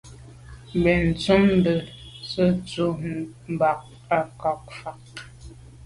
Benntùn be se’ ndù ba’ à kù fa.